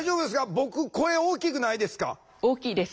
僕声大きくないですか？